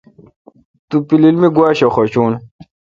تو پیلیل می گوا شہ حوشون۔